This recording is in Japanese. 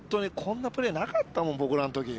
こんなプレーなかったもん。